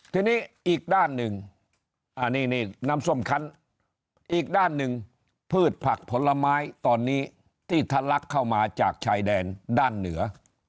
ทีนี้อีกด้านหนึ่งอันนี้นี่น้ำส้มคันอีกด้านหนึ่งพืชผักผลไม้ตอนนี้ที่ทะลักเข้ามาจากชายแดนด้านเหนือ